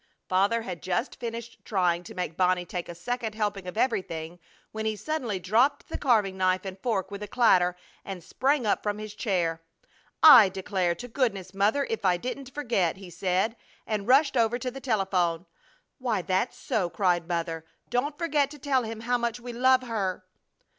Father had just finished trying to make Bonnie take a second helping of everything, when he suddenly dropped the carving knife and fork with a clatter and sprang up from his chair: "I declare to goodness, Mother, if I didn't forget!" he said, and rushed over to the telephone. "Why, that's so!" cried Mother. "Don't forget to tell him how much we love her!"